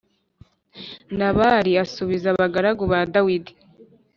Nabali asubiza abagaragu ba Dawidi